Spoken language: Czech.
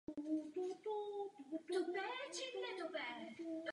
Působil i jako novinář a politik.